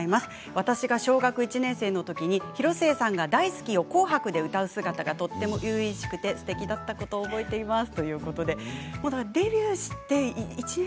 私が小学１年生のときに広末さんが「大スキ！」を「紅白」で歌う姿がとても初々しくてすてきだったことを覚えています。